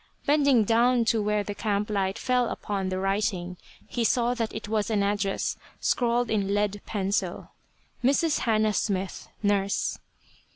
Bending down to where the camp light fell upon the writing, he saw that it was an address, scrawled in lead pencil: "Mrs. Hannah Smith; Nurse."